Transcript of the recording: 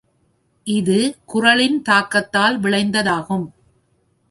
இது குறளின் தாக்கத்தால் விளைந்ததாகும்.